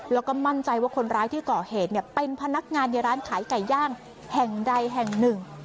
แล้วก็มั่นใจว่าคนร้ายที่ก่อเหตุเนี่ยเป็นพนักงานในร้านขายไก่ย่างแห่งใดแห่งหนึ่ง